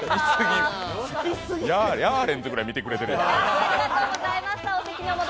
ヤーレンズぐらい見てくれてる。